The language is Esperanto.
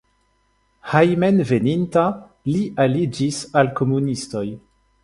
Hejmenveninta li aliĝis al komunistoj.